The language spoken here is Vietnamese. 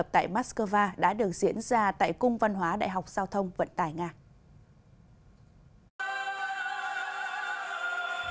tại moscow đã được diễn ra tại cung văn hóa đại học giao thông vận tải nga